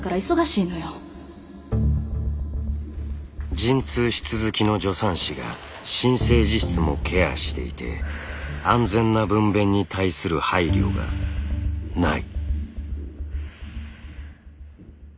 陣痛室づきの助産師が新生児室もケアしていて安全な分娩に対する配慮がない。